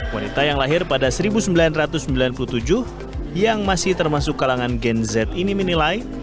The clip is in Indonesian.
wanita yang lahir pada seribu sembilan ratus sembilan puluh tujuh yang masih termasuk kalangan gen z ini menilai